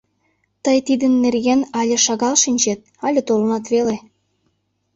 Тый тидын нерген але шагал шинчет, але толынат веле.